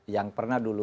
yang pernah dulu